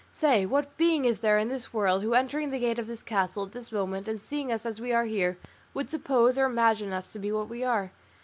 Say, what being is there in this world, who entering the gate of this castle at this moment, and seeing us as we are here, would suppose or imagine us to be what we are?